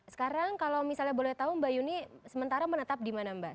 sekarang kalau misalnya boleh tahu mbak yuni sementara menetap di mana mbak